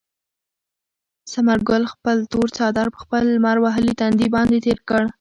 ثمر ګل خپل تور څادر په خپل لمر وهلي تندي باندې تېر کړ.